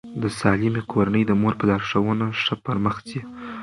د سالمې کورنۍ د مور په لارښوونه ښه پرمخ ځي.